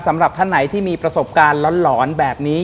สำหรับท่านไหนที่มีประสบการณ์หลอนแบบนี้